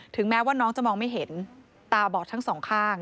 แม้ว่าน้องจะมองไม่เห็นตาบอดทั้งสองข้าง